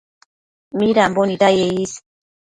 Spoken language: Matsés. midambo nidaye is